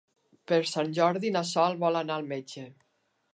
Per Sant Jordi na Sol vol anar al metge.